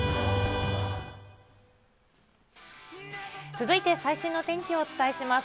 続いて最新の天気をお伝えします。